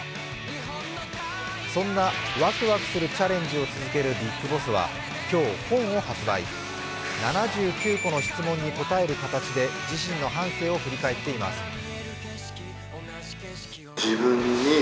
そんなワクワクするチャレンジを続けるビッグボスは今日、本を発売７９個の質問に答える形で自身の半生を振り返っています。